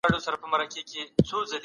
موږ نه سو کولای چي له ننګونو څخه وتښتو.